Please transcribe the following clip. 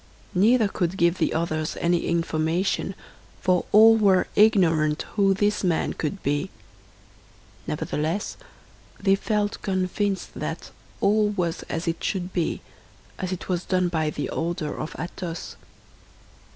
Neither could give the others any information, for all were ignorant who this man could be; nevertheless, they felt convinced that all was as it should be, as it was done by the order of Athos.